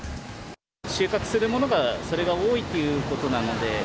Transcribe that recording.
収穫するものがそれが多いということなので。